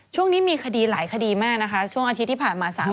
ช่วงนี้มีคดีหลายคดีมากนะคะช่วงอาทิตย์ที่ผ่านมา